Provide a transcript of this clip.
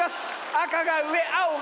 赤が上青が上！